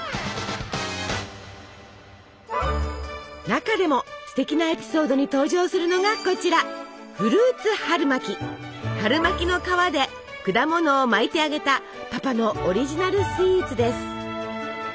中でもすてきなエピソードに登場するのがこちら春巻きの皮で果物を巻いて揚げたパパのオリジナルスイーツです。